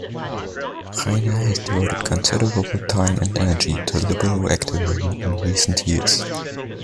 Reiner has devoted considerable time and energy to liberal activism in recent years.